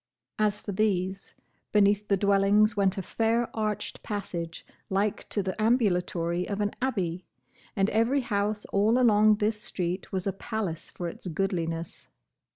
As for these, beneath the dwellings went a fair arched passage like to the ambulatory of an abbey; and every house all along this street was a palace for its goodliness.